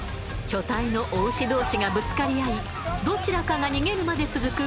巨体の雄牛同士がぶつかり合いどちらかが逃げるまで続く